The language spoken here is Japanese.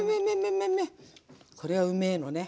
これはうめのね。